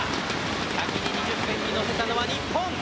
先に２０点に乗せたのは日本！